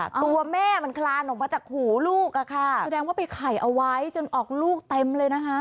ตัวแม่มันคลานออกมาจากหูลูกอะค่ะแสดงว่าไปไข่เอาไว้จนออกลูกเต็มเลยนะคะ